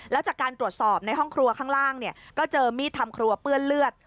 แล้วจากการตรวจสอบในห้องครัวข้างล่างก็เจอมีดทำครัวเปื้อนเลือด